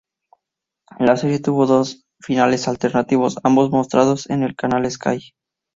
La serie tuvo dos finales alternativos ambos mostrados en el canal Sky.